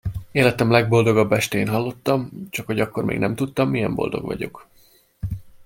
Életem legboldogabb estéjén hallottam, csakhogy akkor még nem tudtam, milyen boldog vagyok.